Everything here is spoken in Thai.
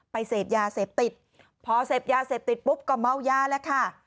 เสพยาเสพติดพอเสพยาเสพติดปุ๊บก็เมายาแล้วค่ะ